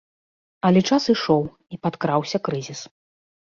Але час ішоў і падкраўся крызіс.